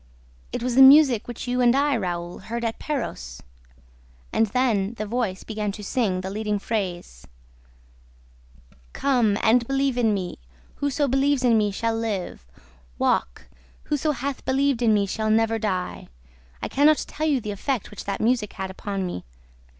It was the music which you and I, Raoul, heard at Perros. And then the voice began to sing the leading phrase, 'Come! And believe in me! Whoso believes in me shall live! Walk! Whoso hath believed in me shall never die! ...' I can not tell you the effect which that music had upon me.